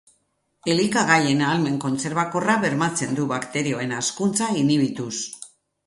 Elikagaien ahalmen kontserbakorra bermatzen du bakterioen hazkuntza inhibituz.